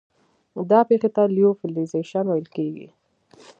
دا پېښې ته لیوفیلیزیشن ویل کیږي.